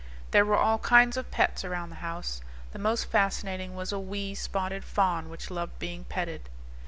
There were all kinds of pets around the house. The most fascinating was a wee, spotted fawn which loved being petted.